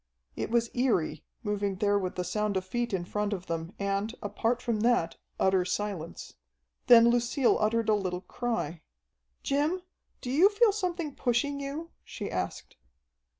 It was eery, moving there with the sound of feet in front of them, and, apart from that, utter silence. Then Lucille uttered a little cry. "Jim, do you feel something pushing you?" she asked.